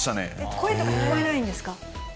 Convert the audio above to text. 声とか聞こえないんですか？